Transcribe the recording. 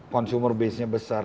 consumer base nya besar